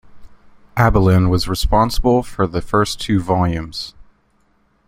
Abelin was responsible for the first two volumes.